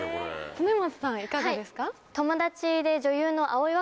恒松さんはいかがですか？